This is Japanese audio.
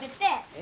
え？